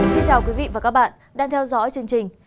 xin chào quý vị và các bạn đang theo dõi chương trình